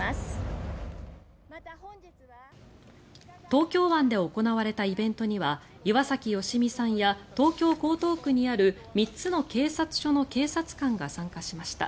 東京湾で行われたイベントには岩崎良美さんや東京・江東区にある３つの警察署の警察官が参加しました。